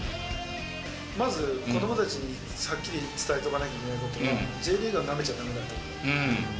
まず、子どもたちにはっきり伝えとかなきゃいけないことは、Ｊリーグをなめちゃだめだと。